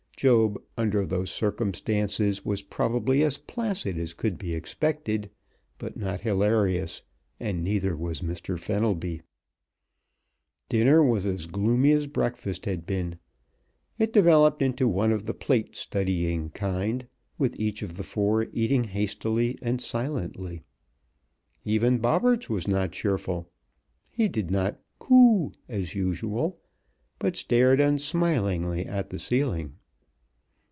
Job, under those circumstances was probably as placid as could be expected, but not hilarious, and neither was Mr. Fenelby. Dinner was as gloomy as breakfast had been. It developed into one of the plate studying kind, with each of the four eating hastily and silently. Even Bobberts was not cheerful. He did not "coo" as usual, but stared unsmilingly at the ceiling.